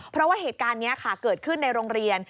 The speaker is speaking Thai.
เพราะว่าเหตุการณ์นี้ค่ะเกิดขึ้นในโรงเรียน